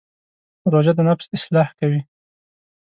روژه د نفس اصلاح کوي.